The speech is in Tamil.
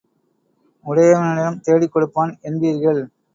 உடையவனிடம் தேடிக் கொடுப்பான் என்பீர்கள்.